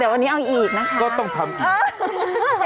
แล้วก็มีความสุขนะแล้วก็ร้องเพลงไปสนุกครับ